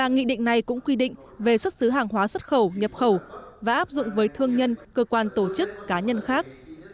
nghị định này cũng quy định về xuất xứ hàng hóa xuất khẩu nhập khẩu và áp dụng với thương nhân cơ quan tổ chức cá nhân khác